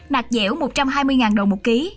nạc dẻo một trăm hai mươi đồng một kg